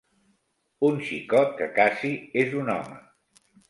Un xicot que casi és un home